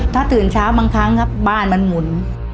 ถ้าตื่นเช้าบางครั้งครับบ้านมันหมุน